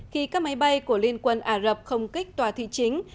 khi các máy bay của liên quân ả rập không kích tòa thị chính